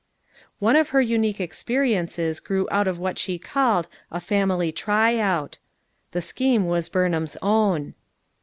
One of her unique experiences grew out of what she called a "family try out." The scheme was Burnham's own.